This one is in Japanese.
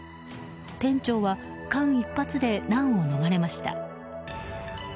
店長は間一髪で難を逃れました。